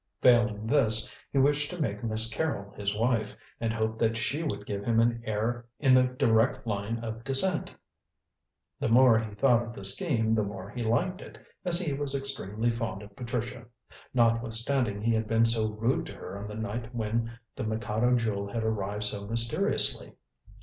Failing this, he wished to make Miss Carrol his wife, and hoped that she would give him an heir in the direct line of descent. The more he thought of the scheme, the more he liked it, as he was extremely fond of Patricia, notwithstanding he had been so rude to her on the night when the Mikado Jewel had arrived so mysteriously.